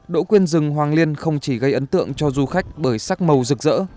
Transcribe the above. đỗ quyên rừng hoàng liên không chỉ gây ấn tượng cho du khách bởi sắc màu rực rỡ